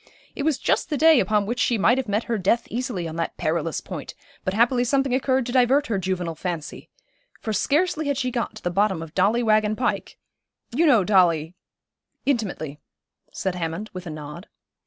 It was just the day upon which she might have met her death easily on that perilous point, but happily something occurred to divert her juvenile fancy, for scarcely had she got to the bottom of Dolly Waggon Pike you know Dolly ' 'Intimately,' said Hammond, with a nod.